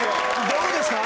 どうですか？